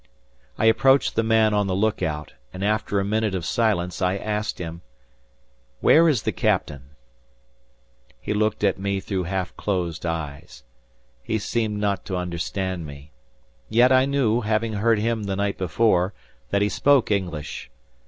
I approached the man on the look out, and after a minute of silence I asked him, "Where is the Captain?" He looked at me through half closed eyes. He seemed not to understand me. Yet I knew, having heard him the night before, that he spoke English.